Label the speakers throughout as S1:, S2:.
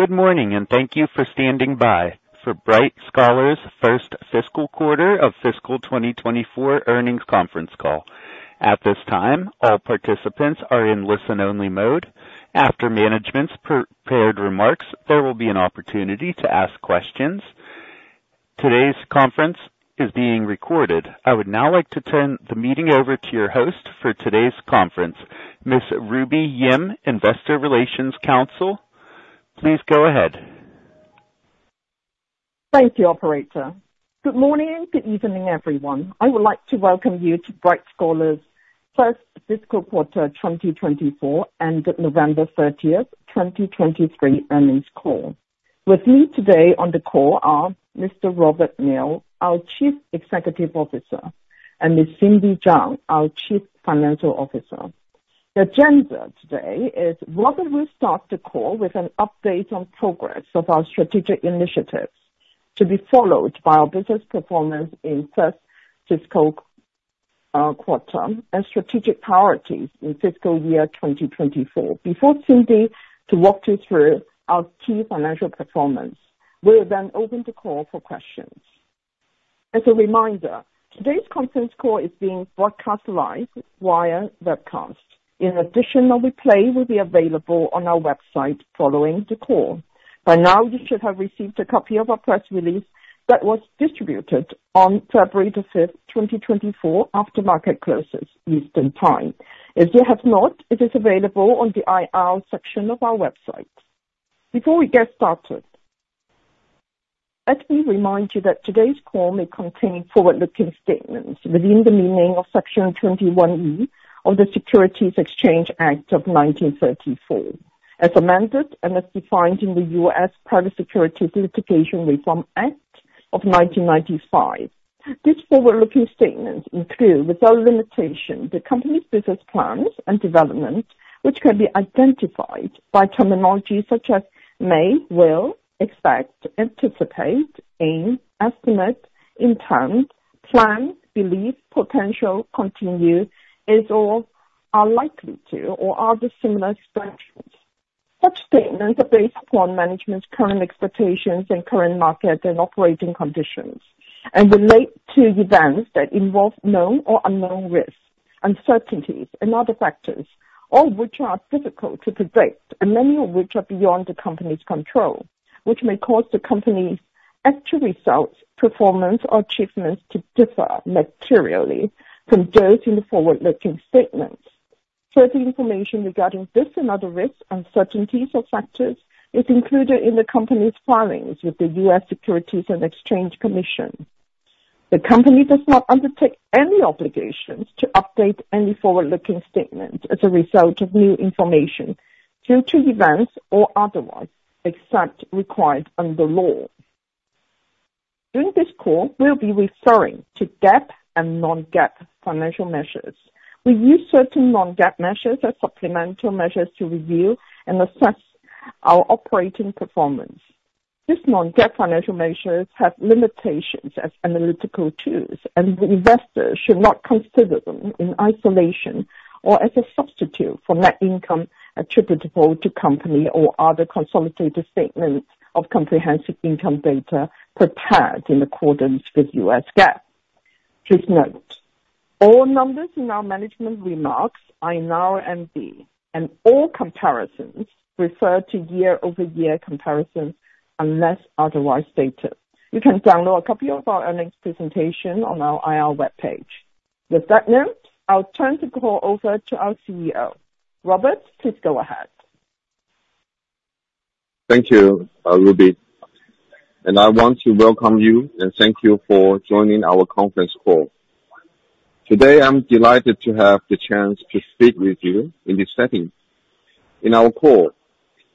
S1: Good morning, and thank you for standing by for Bright Scholar's first fiscal quarter of fiscal 2024 earnings conference call. At this time, all participants are in listen-only mode. After management's prepared remarks, there will be an opportunity to ask questions. Today's conference is being recorded. I would now like to turn the meeting over to your host for today's conference, Ms. Ruby Yim, Investor Relations Counsel. Please go ahead.
S2: Thank you, operator. Good morning, good evening, everyone. I would like to welcome you to Bright Scholar's first fiscal quarter 2024, ending November 30th, 2023, earnings call. With me today on the call are Mr. Robert Niu, our Chief Executive Officer, and Ms. Cindy Zhang, our Chief Financial Officer. The agenda today is Robert will start the call with an update on progress of our strategic initiatives, to be followed by our business performance in first fiscal quarter and strategic priorities in fiscal year 2024. Before Cindy to walk you through our key financial performance, we'll then open the call for questions. As a reminder, today's conference call is being broadcast live via webcast. In addition, a replay will be available on our website following the call. By now, you should have received a copy of our press release that was distributed on February 5, 2024, after market closes, Eastern Time. If you have not, it is available on the IR section of our website. Before we get started, let me remind you that today's call may contain forward-looking statements within the meaning of Section 21E of the Securities Exchange Act of 1934, as amended, and as defined in the U.S. Private Securities Litigation Reform Act of 1995. These forward-looking statements include, without limitation, the company's business plans and developments, which can be identified by terminology such as may, will, expect, anticipate, aim, estimate, intent, plan, believe, potential, continue, is or are likely to, or other similar expressions. Such statements are based upon management's current expectations and current market and operating conditions, and relate to events that involve known or unknown risks, uncertainties, and other factors, all which are difficult to predict and many of which are beyond the company's control, which may cause the company's actual results, performance, or achievements to differ materially from those in the forward-looking statements. Certain information regarding this and other risks, uncertainties, or factors is included in the company's filings with the U.S. Securities and Exchange Commission. The company does not undertake any obligations to update any forward-looking statements as a result of new information due to events or otherwise, except required under law. During this call, we'll be referring to GAAP and non-GAAP financial measures. We use certain non-GAAP measures as supplemental measures to review and assess our operating performance. These non-GAAP financial measures have limitations as analytical tools, and investors should not consider them in isolation or as a substitute for net income attributable to Company or other consolidated statements of comprehensive income data prepared in accordance with U.S. GAAP. Please note, all numbers in our management remarks are in U.S. dollars, and all comparisons refer to year-over-year comparisons unless otherwise stated. You can download a copy of our earnings presentation on our IR webpage. With that note, I'll turn the call over to our CEO. Robert, please go ahead.
S3: Thank you, Ruby, and I want to welcome you and thank you for joining our conference call. Today, I'm delighted to have the chance to speak with you in this setting. In our call,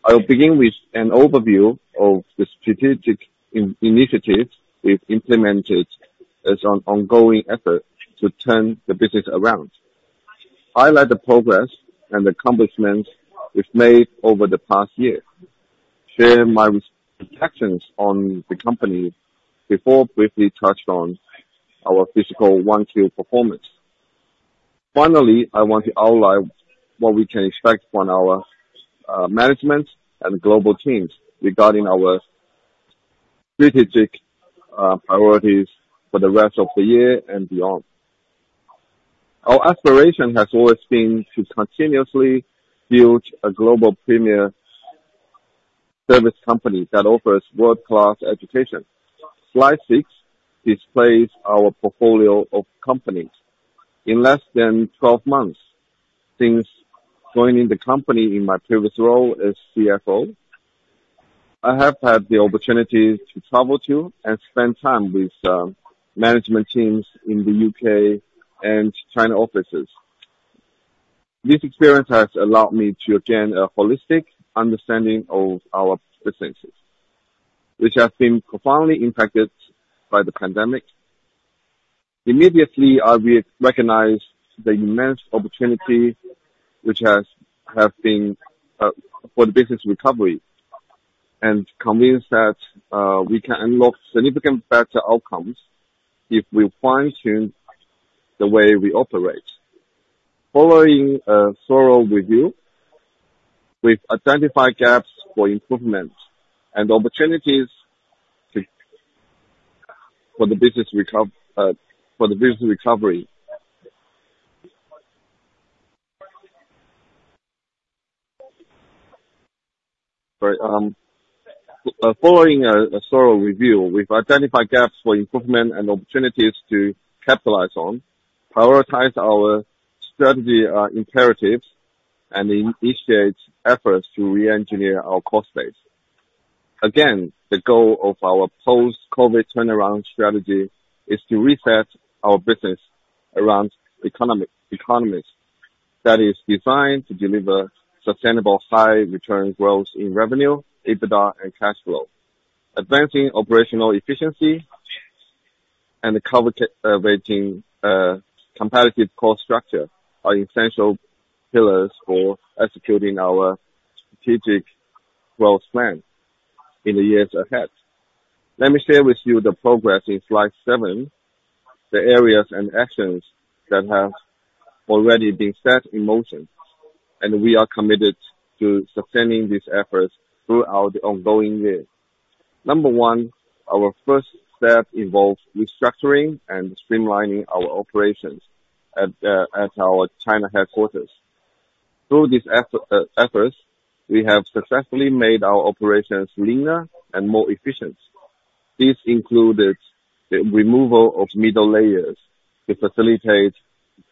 S3: I will begin with an overview of the strategic initiative we've implemented as an ongoing effort to turn the business around, highlight the progress and accomplishments we've made over the past year, share my perspectives on the company before briefly touching on our fiscal 2021 performance. Finally, I want to outline what we can expect from our management and global teams regarding our strategic priorities for the rest of the year and beyond. Our aspiration has always been to continuously build a global premier service company that offers world-class education. Slide six displays our portfolio of companies. In less than 12 months, since joining the company in my previous role as CFO, I have had the opportunity to travel to and spend time with management teams in the U.K. and China offices. This experience has allowed me to gain a holistic understanding of our businesses, which have been profoundly impacted by the pandemic. Immediately, I recognized the immense opportunity which has been for the business recovery and convinced that we can unlock significant better outcomes if we fine-tune the way we operate. Following a thorough review, we've identified gaps for improvement and opportunities to capitalize on, prioritize our strategy imperatives, and initiate efforts to reengineer our cost base. Again, the goal of our post-COVID turnaround strategy is to reset our business around economics that is designed to deliver sustainable high return growth in revenue, EBITDA, and cash flow. Advancing operational efficiency and competitive cost structure are essential pillars for executing our strategic growth plan in the years ahead. Let me share with you the progress in Slide 7, the areas and actions that have already been set in motion, and we are committed to sustaining these efforts throughout the ongoing year. Number one, our first step involves restructuring and streamlining our operations at our China headquarters. Through these efforts, we have successfully made our operations leaner and more efficient. This included the removal of middle layers to facilitate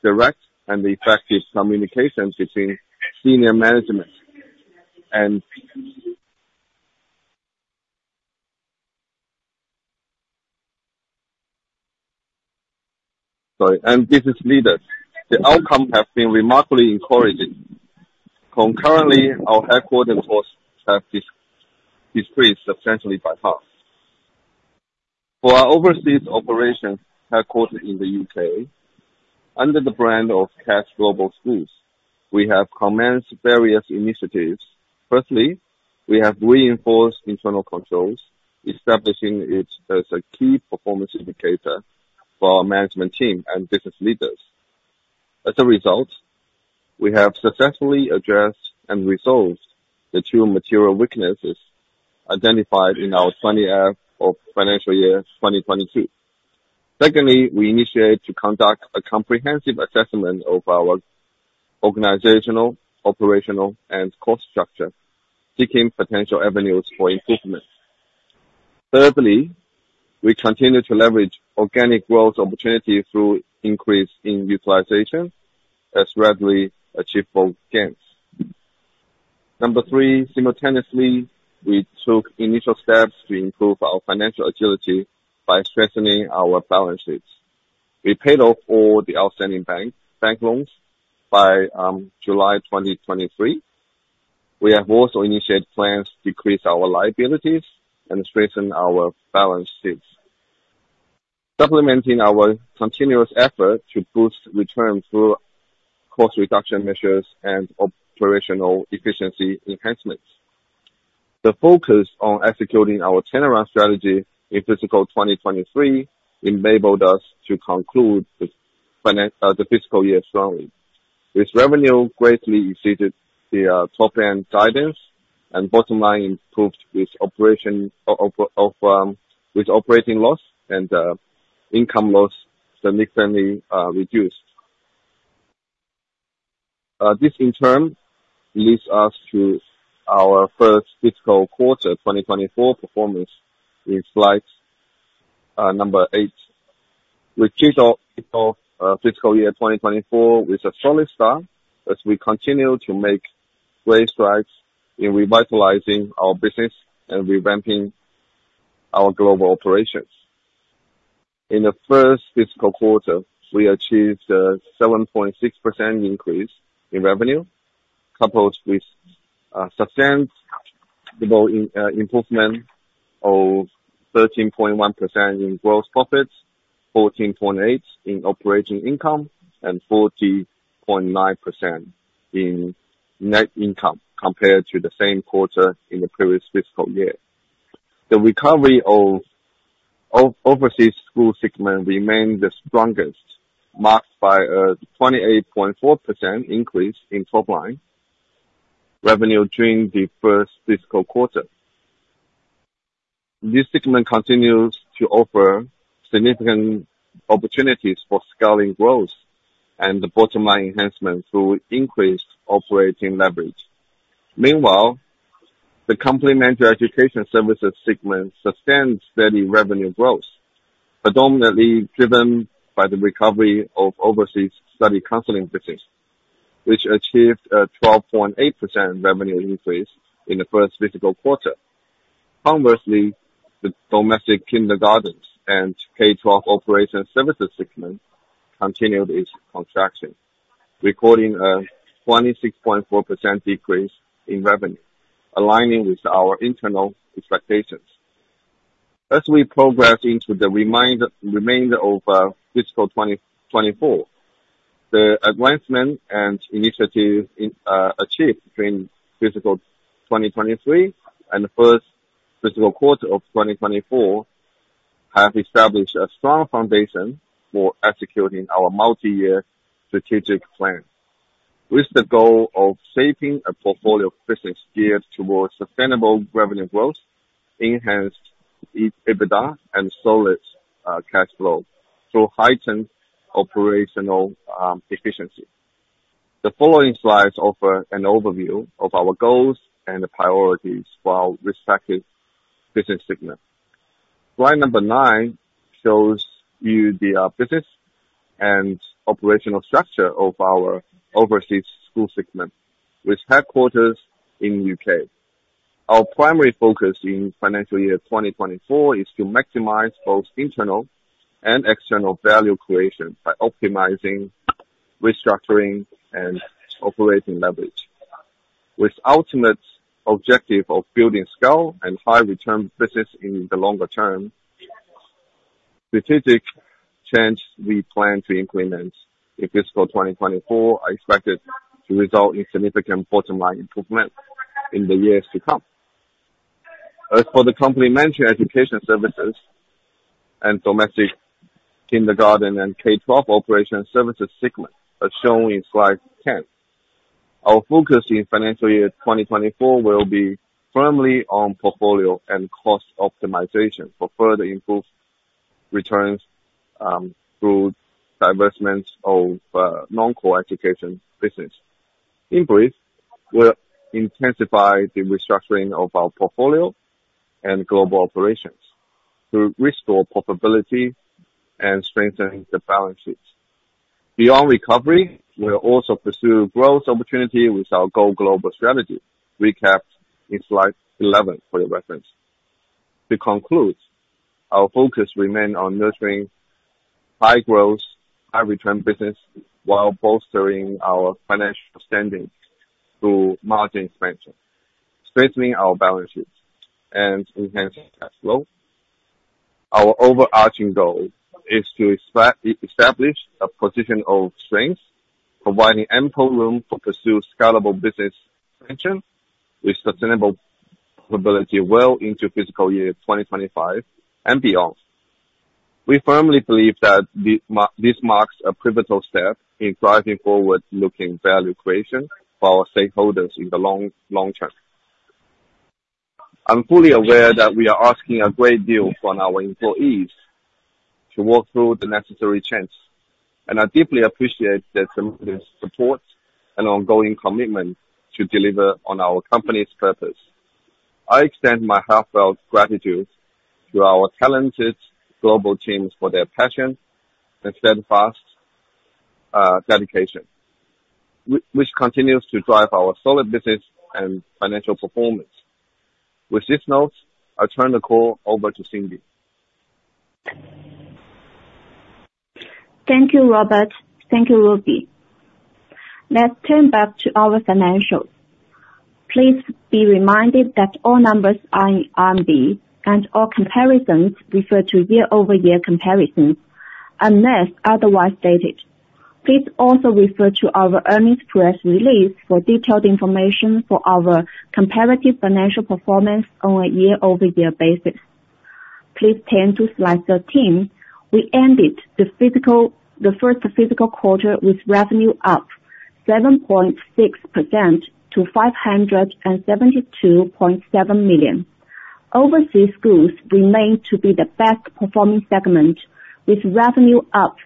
S3: direct and effective communications between senior management and... sorry, and business leaders. The outcome has been remarkably encouraging. Concurrently, our headquarter costs have decreased substantially by half. For our overseas operations, headquartered in the U.K., under the brand of CATS Global Schools, we have commenced various initiatives. Firstly, we have reinforced internal controls, establishing it as a key performance indicator for our management team and business leaders. As a result, we have successfully addressed and resolved the two material weaknesses identified in our financial year 2022. Secondly, we initiate to conduct a comprehensive assessment of our organizational, operational, and cost structure, seeking potential avenues for improvement. Thirdly, we continue to leverage organic growth opportunities through increase in utilization as readily achievable gains. Number three, simultaneously, we took initial steps to improve our financial agility by strengthening our balance sheets. We paid off all the outstanding bank loans by July 2023. We have also initiated plans to decrease our liabilities and strengthen our balance sheets, supplementing our continuous effort to boost return through cost reduction measures and operational efficiency enhancements. The focus on executing our turnaround strategy in fiscal 2023 enabled us to conclude the fiscal year strongly. Its revenue greatly exceeded the top-line guidance, and bottom line improved with operating loss and income loss significantly reduced. This in turn leads us to our first fiscal quarter, 2024 performance in slide number 8. We kicked off fiscal year 2024 with a solid start as we continue to make great strides in revitalizing our business and revamping our global operations. In the first fiscal quarter, we achieved a 7.6% increase in revenue, coupled with substantial improvement of 13.1% in gross profits, 14.8% in operating income, and 40.9% in net income, compared to the same quarter in the previous fiscal year. The recovery of overseas school segment remained the strongest, marked by a 28.4% increase in top line revenue during the first fiscal quarter. This segment continues to offer significant opportunities for scaling growth and the bottom line enhancement through increased operating leverage. Meanwhile, the complementary education services segment sustains steady revenue growth, predominantly driven by the recovery of overseas study counseling business, which achieved a 12.8% revenue increase in the first fiscal quarter. Conversely, the domestic kindergartens and K-12 operation services segment continued its contraction, recording a 26.4% decrease in revenue, aligning with our internal expectations. As we progress into the remainder of fiscal 2024, the advancement and initiatives achieved between fiscal 2023 and the first fiscal quarter of 2024 have established a strong foundation for executing our multi-year strategic plan, with the goal of shaping a portfolio of business geared towards sustainable revenue growth, enhanced EBITDA, and solid cash flow through heightened operational efficiency. The following slides offer an overview of our goals and the priorities for our respective business segments. Slide 9 shows you the business and operational structure of our overseas school segment, with headquarters in U.K. Our primary focus in financial year 2024 is to maximize both internal and external value creation by optimizing restructuring and operating leverage, with ultimate objective of building scale and high return business in the longer term. Strategic change we plan to implement in fiscal 2024 are expected to result in significant bottom line improvement in the years to come. As for the company-managed education services and domestic kindergarten and K-12 operation services segment, as shown in slide 10, our focus in financial year 2024 will be firmly on portfolio and cost optimization for further improved returns, through divestment of non-core education business. In brief, we'll intensify the restructuring of our portfolio and global operations to restore profitability and strengthen the balance sheets. Beyond recovery, we'll also pursue growth opportunity with our Go Global strategy, recapped in slide 11 for your reference. To conclude, our focus remain on nurturing high growth, high return business, while bolstering our financial standing through margin expansion, strengthening our balance sheets, and enhancing cash flow. Our overarching goal is to establish a position of strength, providing ample room for pursue scalable business expansion with sustainable profitability well into fiscal year 2025 and beyond. We firmly believe that this marks a pivotal step in driving forward-looking value creation for our stakeholders in the long, long term. I'm fully aware that we are asking a great deal from our employees to walk through the necessary changes, and I deeply appreciate their tremendous support and ongoing commitment to deliver on our company's purpose. I extend my heartfelt gratitude to our talented global teams for their passion and steadfast dedication, which continues to drive our solid business and financial performance. With this note, I turn the call over to Cindy.
S4: Thank you, Robert. Thank you, Ruby. Let's turn back to our financials. Please be reminded that all numbers are in RMB, and all comparisons refer to year-over-year comparisons, unless otherwise stated. Please also refer to our earnings press release for detailed information for our comparative financial performance on a year-over-year basis. Please turn to slide 13. We ended the first fiscal quarter with revenue up 7.6% to 572.7 million. Overseas schools remain to be the best performing segment, with revenue up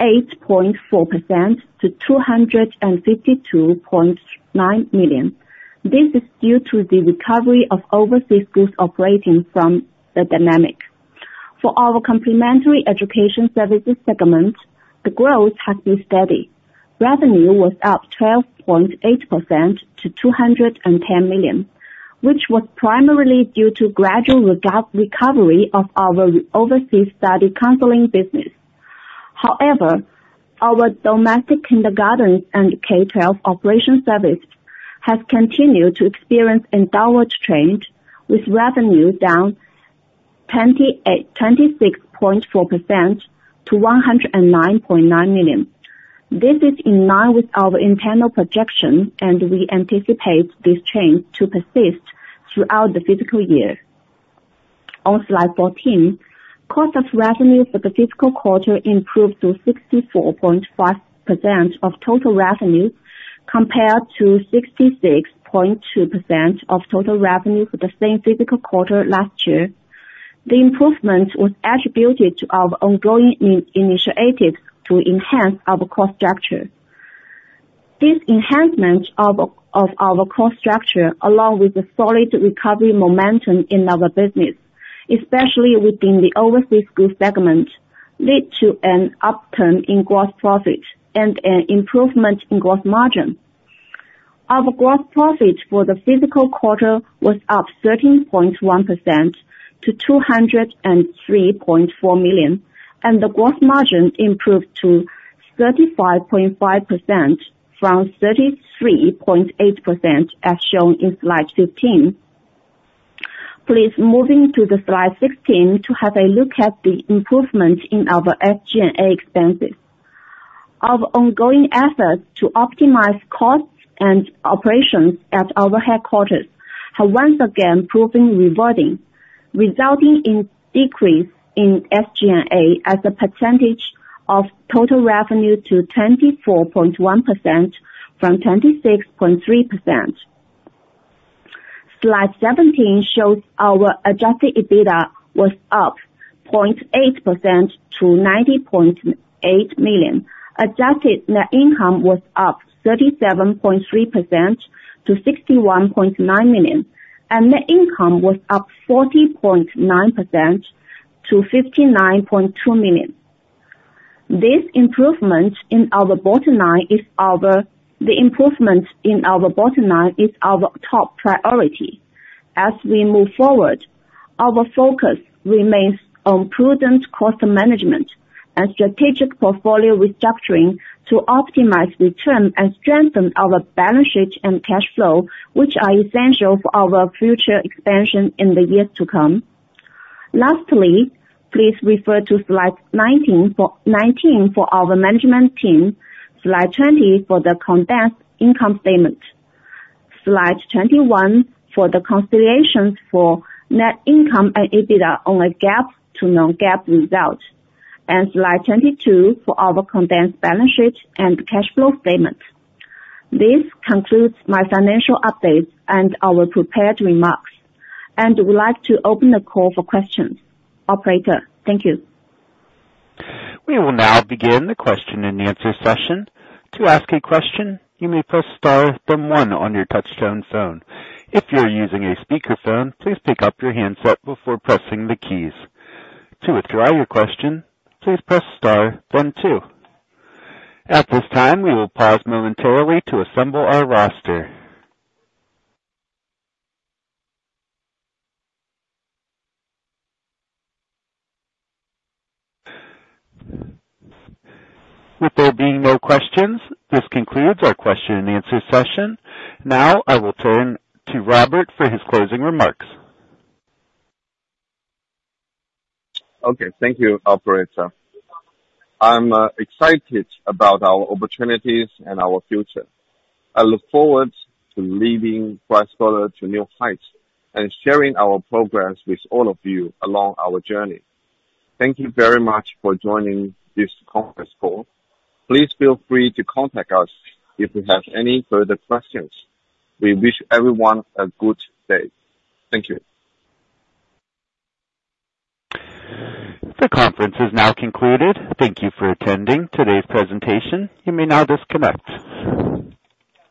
S4: 28.4% to 252.9 million. This is due to the recovery of overseas schools operating from the pandemic. For our complementary education services segment, the growth has been steady. Revenue was up 12.8% to 210 million, which was primarily due to gradual recovery of our overseas study counseling business. However, our domestic kindergartens and K-12 operation service has continued to experience a downward trend, with revenue down 26.4% to 109.9 million. This is in line with our internal projections, and we anticipate this trend to persist throughout the fiscal year. On slide 14, cost of revenue for the fiscal quarter improved to 64.5% of total revenue, compared to 66.2% of total revenue for the same fiscal quarter last year. The improvement was attributed to our ongoing initiatives to enhance our cost structure. This enhancement of, of our cost structure, along with the solid recovery momentum in our business, especially within the overseas school segment, lead to an upturn in gross profit and an improvement in gross margin. Our gross profit for the fiscal quarter was up 13.1% to 203.4 million, and the gross margin improved to 35.5% from 33.8%, as shown in slide 15. Please, moving to slide 16 to have a look at the improvement in our SG&A expenses. Our ongoing efforts to optimize costs and operations at our headquarters have once again proven rewarding, resulting in decrease in SG&A as a percentage of total revenue to 24.1% from 26.3%. Slide 17 shows our adjusted EBITDA was up 0.8% to 90.8 million. Adjusted net income was up 37.3% to 61.9 million, and net income was up 40.9% to 59.2 million. This improvement in our bottom line is our top priority. As we move forward, our focus remains on prudent cost management and strategic portfolio restructuring to optimize return and strengthen our balance sheet and cash flow, which are essential for our future expansion in the years to come. Lastly, please refer to slide 19 for our management team, slide 20 for the condensed income statement, slide 21 for the considerations for net income and EBITDA on a GAAP to non-GAAP result, and slide 22 for our condensed balance sheet and cash flow statement. This concludes my financial update and our prepared remarks, and I would like to open the call for questions. Operator, thank you.
S1: We will now begin the question and answer session. To ask a question, you may press star then one on your touch-tone phone. If you're using a speakerphone, please pick up your handset before pressing the keys. To withdraw your question, please press star then two. At this time, we will pause momentarily to assemble our roster. With there being no questions, this concludes our question and answer session. Now I will turn to Robert for his closing remarks.
S3: Okay. Thank you, operator. I'm excited about our opportunities and our future. I look forward to leading Bright Scholar to new heights and sharing our progress with all of you along our journey. Thank you very much for joining this conference call. Please feel free to contact us if you have any further questions. We wish everyone a good day. Thank you.
S1: The conference is now concluded. Thank you for attending today's presentation. You may now disconnect.